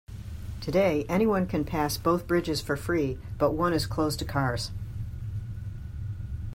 Today, anyone can pass both bridges for free, but one is closed to cars.